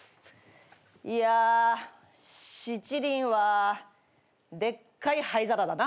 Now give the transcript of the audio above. いやしちりんはでっかい灰皿だな。